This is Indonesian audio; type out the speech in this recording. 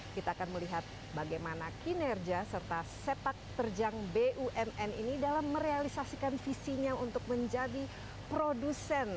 kita akan melihat bagaimana kinerja serta sepak terjang bumn ini dalam merealisasikan visinya untuk menjadi produsen